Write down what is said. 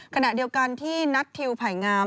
ขณะเดียวกันที่นัททิวไผ่งาม